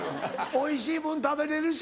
おいしいもの食べれるし。